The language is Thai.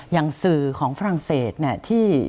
อย่างสื่อของฝรั่งเศสเนี่ยที่